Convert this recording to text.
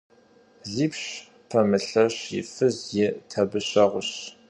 Zipş pemılheş yi fız yi tabışeğuş.